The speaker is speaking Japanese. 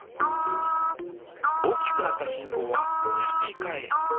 大きくなった信号はスピーカーへ。